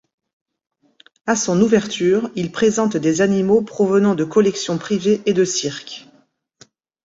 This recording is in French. À son ouverture il présente des animaux provenant de collections privées et de cirques.